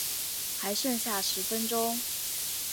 还剩下十分钟